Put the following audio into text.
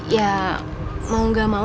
ya mau gak mau